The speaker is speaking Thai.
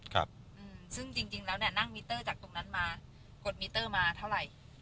ครับอืมซึ่งจริงจริงแล้วเนี่ยนั่งมิเตอร์จากตรงนั้นมากดมิเตอร์มาเท่าไหร่